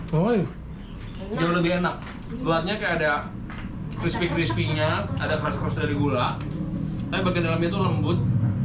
jauh lebih enak luarnya kayak ada crispy crispy nya ada keras keras dari gula tapi bagian dalamnya tuh lembut